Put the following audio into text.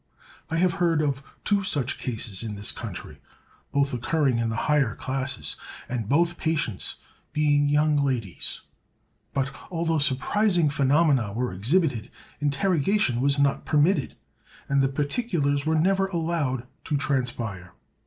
I have heard of two such cases in this country, both occurring in the higher classes, and both patients being young ladies; but, although surprising phenomena were exhibited, interrogation was not permitted, and the particulars were never allowed to transpire.